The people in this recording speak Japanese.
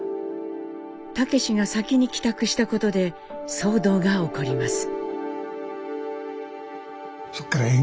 武が先に帰宅したことで騒動が起こります。